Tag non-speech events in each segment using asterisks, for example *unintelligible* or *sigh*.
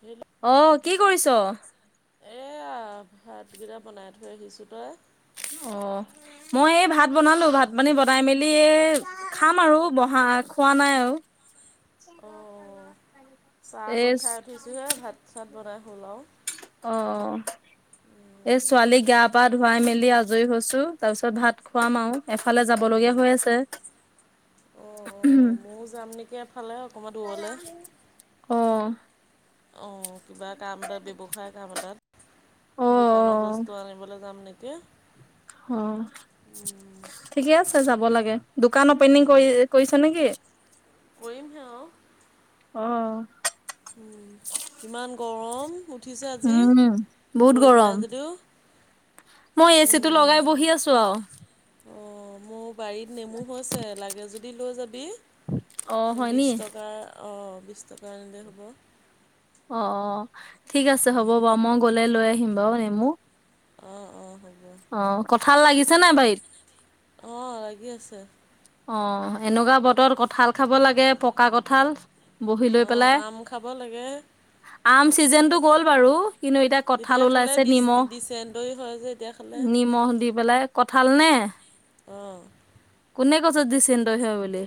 কেলে? অহ', কি কৰিছ? এয়া ভাতকেইটা বনাই থৈ আহিছোঁ, তই? অহ', মই এই ভাত বনালোঁ, ভাত - পানী বনাই মেলি এই', খাম আৰু বহা, খোৱা নাই আৰু', এই', কিহেৰে ভাত? ভাত বনাই হ'ল আৰু', অহ', এ ছোৱালীক গা পা', গাপাত ধোৱাই মেলি আজৰি হৈছোঁ, তাৰপিছত ভাত খোৱাম আৰু, এফালে যাব লগীয়া হৈ আছে', *unintelligible* উ', -উম', অহ', অহ', কিবা কাম এটাত, ব্যৱসায় কাম এটাত', দোকানৰ বস্তু আনিবলৈ যাম নেকি? অহ', ঠিকে আছে যাব লাগে, দোকান অপেনিং কৰি - কৰিছে নেকি? কৰিমহে অহ', অহ', উম ইমান গৰম উঠিছে আজি ৰদ নাই যদিও মই এচি টো লগাই বহি আছো আৱ অ মোৰ বাৰীত নেমু হৈছে লাগে যদি লৈ যাবি বিশ টকা অ বিশ টকা আনিলে হ'ব অ অ ঠিক আছে হ'ব বাৱ মই গলে লৈ আহিম বাৱ নেমো অ অ হ'ব অ কঁঠাল লাগিছে নাই বাৰীত অ লাগি আছে অ এনেকুৱা বতৰ কঁঠাল খাব লাগে পকা কঁঠাল বহি লৈ পেলাই আম চিজেনটো গ'ল বাৰু কিন্তু এতিয়া কঠাল ওলাইছে নিমখ নিমখ দি পেলাই কঠাল নে অ কোনে কৈছে দিচ এনদৈ হয় বুলি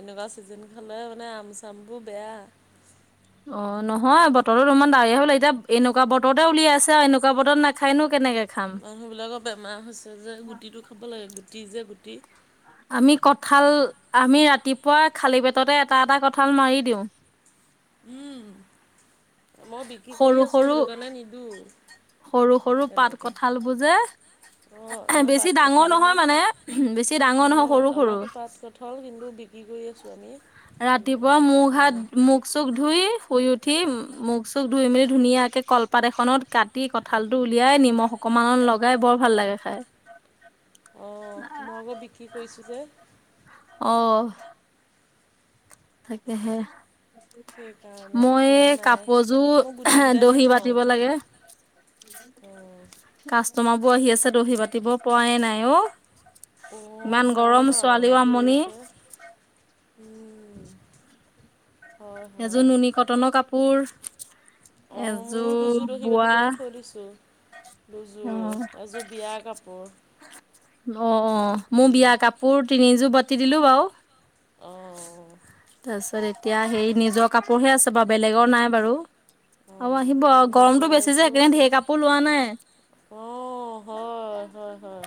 এনেকুৱা চিজন খালে মানে আম চামবোৰ বেয়া অ নহয় বতৰো ইমান ডাওৰিয়া বতৰ এতিয়া এনেকুৱা বতৰতে উলিয়াইছে আৰু এনেকুৱা বতৰত নাখাইনো কেনেকে খাম মানুহবিলাকৰ বেমাৰ হৈছে যে গুটিটো খাব লাগে গুটি যে গুটি আমি কঁঠাল আমি ৰাতিপুৱা খালী পেটতে এটা এটা কঁঠাল মাৰি দিওঁ উম মই বিক্ৰী কৰি আছো সেইটো কাৰণে নিদো সৰু সৰু পাত কঁঠাল বোৰ যে বেছি ডাঙৰ নহয় মানে ওম বেছি ডাঙৰ নহয় সৰু সৰু কঁঠাল কিন্তু বিক্ৰী কৰি আছো আমি ৰাতিপুৱা মুখ হাত মোক মুখ চুখ ধুই শুই উঠি মুখ চুখ ধুই মেলি ধুনীয়াকে কল পাত এখনত কাটি কঁঠাল টো উলিয়াই নিমখ অকমান লগাই বৰ ভাল লাগে খাই অ মই আক বিক্ৰী কৰিছো যে অ তাকেহে মই কাপোৰযোৰ দহি বাতিব লাগে *unintelligible* কাষ্টতমাৰ বোৰ আহি আছে দহি বাতিব পোৱাই নাই অ ইমান গৰম ছোৱালীও আমনি উম এযোৰ নুনী কটনৰ কাপোৰ অ মোৰো দুযোৰ দহী বাতিবলৈ থৈ দিছো দুযোৰ এযোৰ বিয়াৰ কাপোৰ অ অ মোৰ বিয়া কাপোৰ তিনিযোৰ বাতি দিলো বাৰু তাৰপিছত এতিয়া সেই নিজৰ কাপোৰহে আছে বাৱ বেলেগৰ নাই বাৰু আৰু আহিব আৱ গৰমটো বেছি যে সেইকাৰণে ঢেৰ কাপোৰ লোৱা নাই অ হয় হয় হয়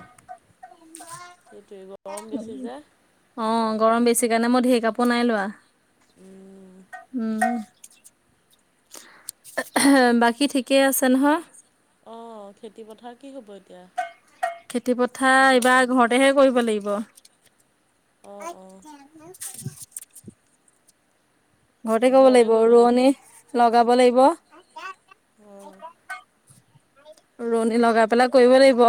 অ গৰম বেছি সেই কাৰণে মই ঢেৰ কাপোৰ নাই লোৱা উম বাকী ঠিকেই আছে নহয়। অ খেতি পথাৰ কি হ'ব এতিয়া। খেতি পথাৰ এইবাৰ ঘৰতেহে কৰিব লাগিব। কিয়নো ঘৰতে কব লাগিব ৰোৱনী লগাব লাগিব। অ ৰুৱণী লগাই পেলাই কৰিব লাগিব।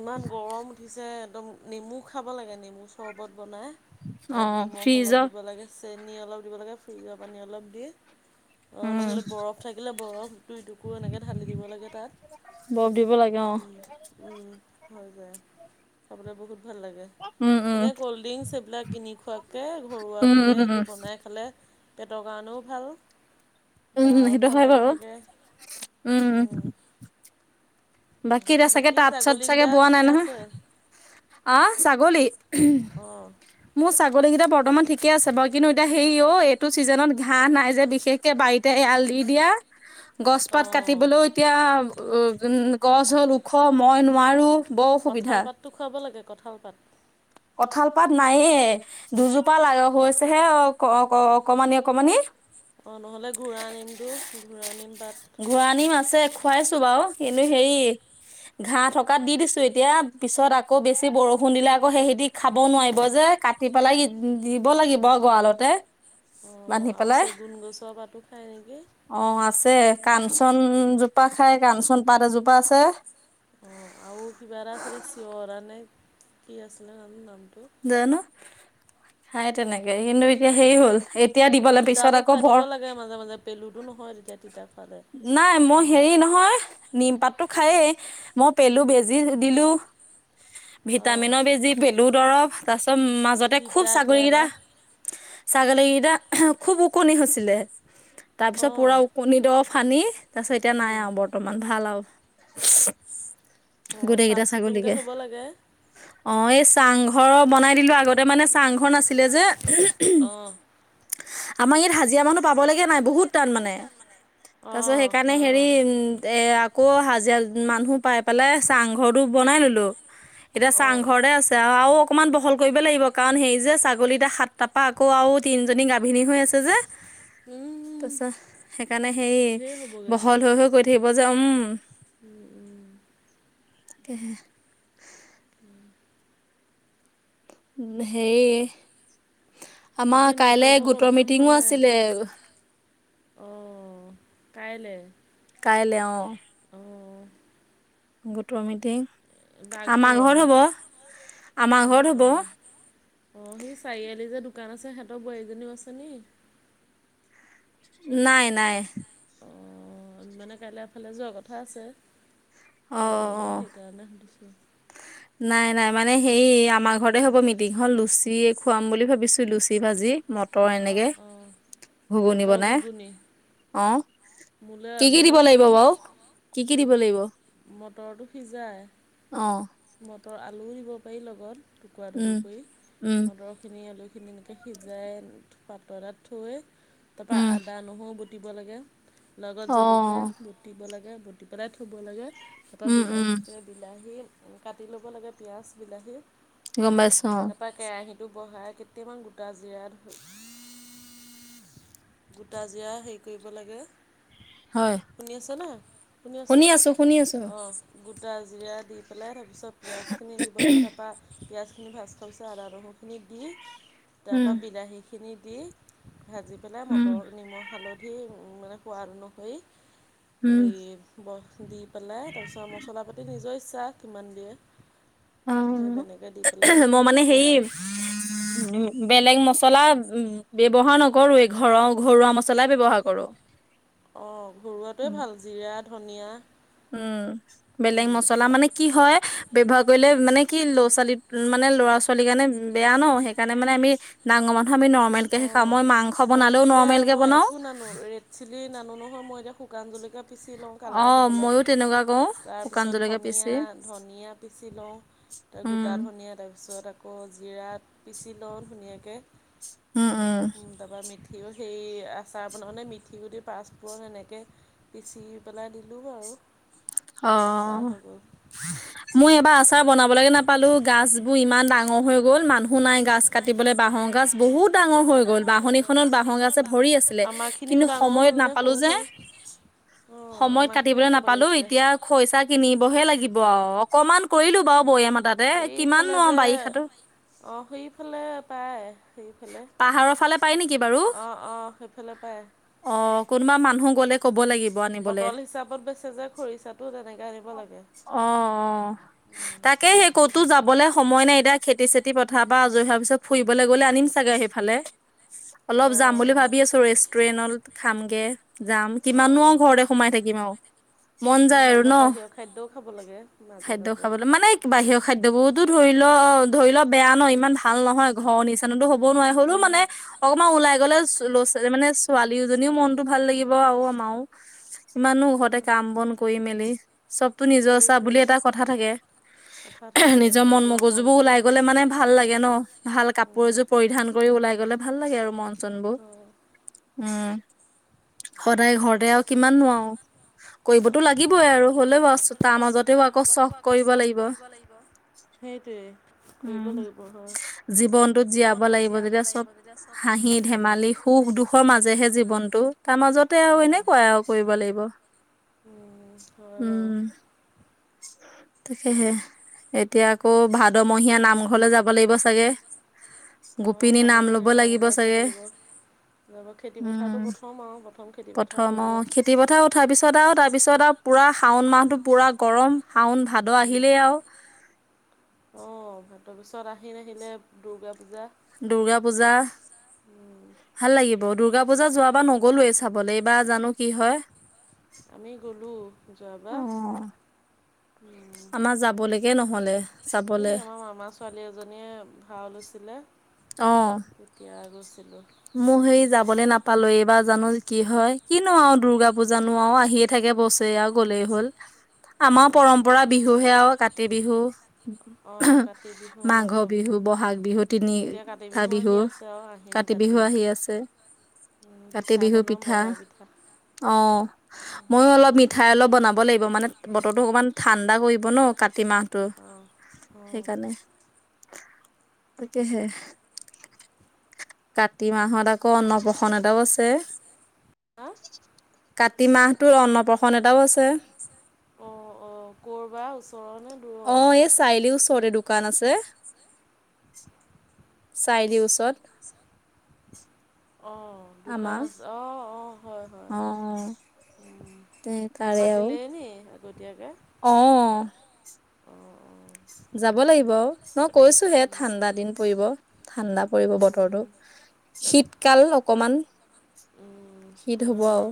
ইমান গৰম উঠিছে একদম নেমু খাব লাগে নেমু, চৰৰ্বত বনাই। তাত নিমখ অলপ দিব লাগে। চেনি অলপ দিব লাগে ফ্ৰিজৰ পানী অলপ দি অঁ নহ'লে বৰফ থাকিলে বৰফ, দুই টুকুৰ এনেকৈ ঢালি দিব লাগে তাত বৰফ দিব লাগে অ। উম হৈ যায় খাবলৈ বহুত ভাল লাগে এনেই ক'ল্ড ড্ৰিংকছ এইবিলাক- কিনি খোৱাকৈ ঘৰুৱাভাৱে সেইটো বনাই খালে পেটৰ কাৰণেও ভাল- গাওঁ ভাল লাগি থাকে। উম বাকী এতিয়া চাগে তাঁত চত চাগে পোৱা নাই নহয় আহ ছাগলী, অঁ মোৰ ছাগলীকেইটা বৰ্তমান ঠিকে আছে বাৰু কিন্তু এতিয়া হে অ এইটো ছিজনত ঘাঁহ নাই যে বিশেষ তে বাৰীতে এৰাল দি দিয়া। গছ পাত কাটিবলৈও এতিয়া উ উ গছ হ'ল ওখ মই নোৱাৰো। কঁঠাল পাতটো খুৱাব লাগে কঁঠাল পাত, কঁঠাল পাত নায়ে। দুজোপা ল হৈছেহে অ অকমানি অকমানি। অঁ নহ'লে ঘূৰাই আনিমতো ঘূৰাই নিম পাত, ঘূৰানিম আছে খুৱাইছো বাৰু কিন্তু হেৰি ঘাঁহ থকাত দি দিছো এতিয়া পিছত আকৌ বেছি বৰষুণ দিলে আকৌ সেহতি খাব নোৱাৰিব যে কাটি পেলাই দিব লাগিব গঁৰালতে- অঁ আৰু চেগুন গছৰ পাতো খায় নেকি? অ আছে কাঞ্চনজোপা খাই কাচন পাত এজোপা আছে। অ আৰু কিবা এটা আছিলে চিঞৰা নে কি আছিলে ন নামটো জানো খাই তেনেকে কিন্তু এতিয়া সেই হ'ল এতিয়া দিবলৈ পিছত আকৌ বৰ তেতি মাজে মাজে পেলুত নহয় তেয়া তিতা খালে। নাই মই হেৰি নহয়। নিমপাতটো খায় মই পেলু বেজি দিলো ভিটামিনৰ বেজি। পেলু দৰৱ তাৰ পিছত মাজতে খুব ছাগলীকেইটা ছাগলীকেইটা খুব ওকণি হৈছিলে তাৰ পিছত পুৰা ওকণি দৰপ- সানি তাৰ পিছত এতিয়া নাই আৰু বৰ্তমান ভাল আৰু গোটেইকেইটা ছাগলীকে অ এই চাংঘৰ বনাই দিলো আগতে মানে চাংঘৰ নাছিলে যে। আমাৰ ইয়াত হাজিৰা মানুহ পাবলগীয়া নাই বহুত টান মানে। তাৰ পিছত সেইকাৰণে হেৰি উম এ আকৌ হাজিৰা মানুহ পাই পেলাই চাংঘৰটো বনাই ল'লোঁ। এতিয়া চাংঘৰে আছে আৰু অকণমান বহল কৰিব লাগিব কাৰণ হেৰি যে ছাগলীতে সাত তপা আকৌ আৰু তিনিজনী গাভিনী হৈ আছে। যে তাৰ পিছত সেইকাৰণে সেই, বহল হৈ হৈ গৈ থাকিব যে উম তাকেহে, হে আমাৰ কাইলে গোটৰ মিটিঙো আছিলে। অঁ কাইলে। কাইলে অঁ অঁ গোটৰ মিটিং আমাৰ ঘৰত হ'ব আমাৰ ঘৰত হ'ব। অ সেই চাৰিআলি যে দোকান আছে সিহতৰ বোৱাৰীজনীও আছে নি। নাই নাই। মানে কাইলৈ এফালে যোৱা কথা আছে তাৰ লগত সেইকাৰণে সুধিছো। নাই নাই মানে সেই আমাৰ ঘৰতে হ'ব মিটিংখন লুচি খুৱাম বুলি ভাবিছোঁ লুচি ভাজি। মটৰ এনেকে ঘুগুনি বনাই অ, কি কি দিব লাগিব বাও কি কি দিব লাগিব। মটৰটো সিজাই মটৰ আলুও দিব পাৰি লগত। টুকুৰা টুকু কৰি মটৰখিনি আলুখিনি এনেকে। সিজাই পাত্ৰ এটা থৈ তাৰপৰা আদা নহৰু বুটিব লাগে। লগত জলকীয়া বুটিব লাগে বুট পেলাই থব লাগে। তাপা বিলাহী থাকে বিলাহী কাটি ল'ব লাগে পিঁয়াজ বিলাহী, গম পাইছো অ, তাৰপৰা কেৰাহীটো বহাই কেইটামান গোটা জিৰা ধ গোটা জিৰা হেৰি কৰিব লাগে। শুনি আছ না শুনি আছ। আছো শুনি আছো। অ গোটা জিৰা দি পেলাই তাৰপিছত পিয়াজ খিনি দিব লাগে ত, ত পিঁয়াজখিনি ভাজ খাব পিছ আদা নহৰু খিনি দি তাৰপা বিলাহী, খিনি দি ভাজি পেলাই মটৰ নিমখ, হালধি মানে সোৱাৰাদ অনুসৰি এই ব দি, পেলাই তাৰপিছত মছলা পাতি নিজৰ ইচ্ছা কিমান দিয়ে। সেই তেনেকে দি পেলাই ঘুগুনিব গ'ল আৰু উ বেলেগ মচলা উ, ব্যৱহাৰ নকৰো এই ঘৰ ঘৰুৱা মছলাই ব্যৱহাৰ কৰো। অঁ ঘৰুৱাটোৱে ভাল জিৰা ধনিয়া। উম বেলেগ মছলা মানে, কি হয় ব্যৱহাৰ কৰিলে মানে কি ল'ৰা ছোৱালী মানে ল'ৰা ছোৱালীৰ কাৰণে বেয়া ন সেইকাৰণে মানে আমি। ডাঙৰ মানুহ আমি নৰ্মেলকেহে খাও মই মাংস বালেও নৰ্মেলকৈ বনাও। নানো ৰেড চিলি নানো নহয় মই এতিয়া শুকান জলকীয়া পিচি লওঁ কালাৰ হ'বলে। তাৰপিছত ধনিয়া ধনিয়া পিচি লওঁ গোটা ধনিয়া তাৰপিছত আকৌ, আকৌ জিৰাত পিচি লওঁ ধুনীয়াকে। *inaudible* তাৰপা মিঠি সেই আচাৰ বনাওঁনে মিথি গুটি পাঁচফোৰণ সনেকে। পিচি পেলাই দিলোঁ আৰু অ মই এবাৰ আচাৰ বনাবলৈকে নাপালো গছবোৰ ইমান ডাঙৰ হৈ গ'ল মানুহ নাই গাছ, কাটিবলৈ বাঁহৰ গাজ বহুত, ডাঙৰ হৈ গ'ল বাঁহনীখনত বাঁহৰ গাছে ভৰি আছিলে কিন্তু সময়ত নাপালো যে। সময়ত কাটিবলে নাপালো। এতিয়া খৰিচা কিনিবহে লাগিব আও অকণমান কৰিলো বাৰু বয়াম এটাত। তে কিমান নো আও বাৰিষাটো - অঁ সেইফালে পায়। সেইফালে অঁ অঁ সেইফালে পায়। অ কোনোবা মানুহ - বটল হিচাপত বেচে যে খৰিচাটো তেনেকে আনিব লাগে। অ, অ। তাকে সেই ক'তো যাবলৈ সময় নাই এতিয়া খেতি চেতি পথাৰ পা আজৰি হোৱাৰ পিছত ফুৰিবলৈ গ'লে আনিম চা - চাগে সেইফালে। অলপ যাম বুলি ভাবি আছো ৰেষ্টুৰেণ্টত খামগে। যাম, কিমানো আও ঘৰতে সোমাই থাকিম আও। মন যায় আৰু ন, খাদ্য খাবলে। মানে - বাহিৰ খাদ্য বোৰতো ধৰিল ধৰিল বেয়া ন, ইমান ভাল নহয় ঘৰৰ নিচানাটো হব - হব নোৱাৰে, হ'লো মানে - অকমান ওলাই গ'লে লৰা ছোৱালী মানে ছোৱালীজনীও মনতটো ভাল লাগিব আৰু আমাৰো। কিমানো ঘৰতে কাম বন কৰি মেলি চব - তো নিজস্ব বুলি এটা কথা থাকে, নিজৰ মন মগজুবোৰ ওলাই গ'লে মানে - ভাল লাগে ন, ভাল কাপোৰ এযোৰ পৰিধান কৰি ওলাই গলে ভাল লাগে আৰু মন চন বোৰ। উম, সদায় ঘৰতে আও কিমান নো আও। কৰিবতো লাগিবই আৰু হ'লেও তাৰ মাজতেও আকৌ চখ কৰিব লাগিব। উম, জীৱনটোত জীয়াব - লাগিব। যেতিয়া চব হাঁহি ধেমালি সুখ দুখৰ মাজেহে জীৱনটো, তাৰ মাজত - তে আও এনেকুৱাই আও কৰিব লাগিব। উম তাকেহে। এতিয়া আকৌ ভাদমহীয়া নামঘৰলে যাব লাগিব চাগে। গোপিনী নাম ল'ব লাগিব চাগে। ঘৰৰ খেতিপথাৰটো প্ৰথম আৰু প্ৰথম খেতিপথাৰ হৈ লওক। খেতি পথাৰ উঠাৰ পিছত আও তাৰপিছত আও পুৰা শাওণ মাহটো পুৰা গৰম, শাওন - ভাদ আহিলেই আও। অ', ভাদৰ পিছত আহিন আহিলে দুূৰ্গা পূজা। দুৰ্গা পূজা। উম'। ভাল লাগিব, দুৰ্গা পূজা যোৱাবাৰ নগলোৱেই চাবলে এইবাৰ জানো কি হয়। আমি গ'লোঁ যোৱাবাৰ। আমাৰ যাবলেকে ন'হলে চাবলে। ছোৱালী এজনীয়ে ভাও লৈছিলে। অঁ'। তেতিয়া গৈছিলোঁ। মোৰ সেই যাবলৈ নাপালো, এইবাৰ জানো কি হয়, কিনো আৰু দুূৰ্গা পূজা নো আৰু আহিয়ে - থাকে বছেৰে আও গলেই হ'ল, আমাৰ পৰম্পৰা বিহু হে আৰু কাতি বিহু *unintelligible* মাঘ বিহু, বহাগ বিহু তিনিটা বিহুৰ কা - কাতি বিহু আহি আছে, কাতি বিহু পিঠা। আহ' মইয়ো অলপ মিঠাই অলপ বনাব লাগিব, মানে বতৰটো অকণমান ঠাণ্ডা কৰিব ন কাতি মাহ ত সেইকাৰণে, তাকেহে। কাতি মাহত আকৌ অন্নপ্ৰসন্ন এটাও আছে। কাতি মাহটোৰ অন্নপ্ৰশন্ন এটাও আছে। অ এই চাৰিআলিৰ ওচৰতে দুক দোকান আছে, চাৰিআলিৰ ওচৰত। *inaudible* অ দোকান আছে, অ অ হয় হয়। অ। উম মাতিলেই নি আগতীয়াকৈ? অ যাব লাগিব আৰু, কৈছোহে ঠাণ্ডা দিন পৰিব। ঠাণ্ডা পৰিব বতৰটো, শীতকাল অকমান শীত হ'ব আৰু।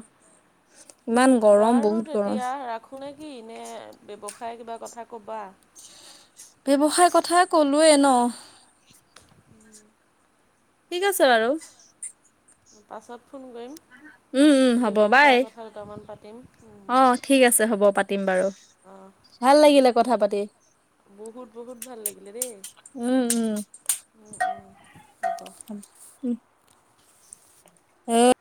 বাৰু তেতিয়া ৰাখোঁ নেকি, নে ব্যৱসায় কিবা কথা ক'বা? ব্যৱসায় কথাই ক'লোৱেই ন। উম। ঠিক আছে বাৰু। পাছত ফোন কৰিম। ব্যৱসায়ৰ কথা দুটামান পাতিম উম। অ'। ভাল লাগিলে কথা পাতি। বহুত বহুত ভাল লাগিলে দেই, উম উম হ'ব। উ। এ